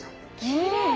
きれい！